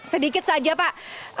sedikit saja pak